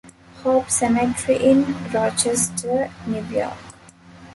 Hope Cemetery in Rochester, New York.